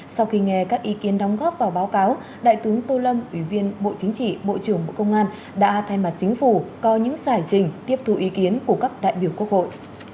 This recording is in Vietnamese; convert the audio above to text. sau khi nghe các ý kiến đóng góp vào báo cáo đại tướng tô lâm ủy viên bộ chính trị bộ trưởng bộ công an đã thay mặt chính phủ có những giải trình tiếp thu ý kiến của các đại biểu quốc hội